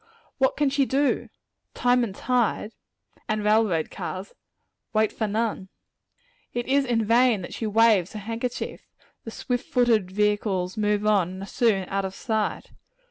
What can she do? "Time and tide," and railroad cars, "wait for none." It is in vain that she waves her handkerchief; the swift footed vehicles move on, and are soon out of sight!